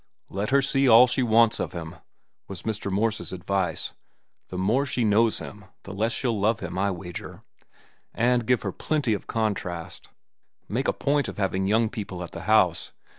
"Let her see all she wants of him," was Mr. Morse's advice. "The more she knows him, the less she'll love him, I wager. And give her plenty of contrast. Make a point of having young people at the house.